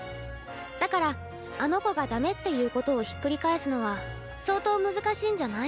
だからあの子がダメって言うことをひっくり返すのは相当難しいんじゃない？